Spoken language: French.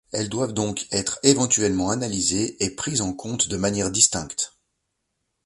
Et doivent donc être éventuellement analysés et pris en compte de manière distincte.